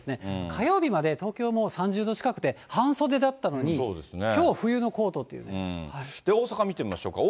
火曜日まで東京も３０度近くて、半袖だったのに、きょう、大阪見てみましょうか。